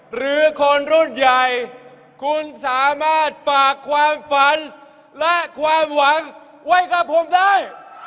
หรือคนรุ่นใหญ่คุณสามารถฝากความฝันและความหวังไว้กับผมได้